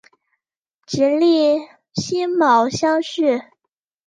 直隶辛卯乡试。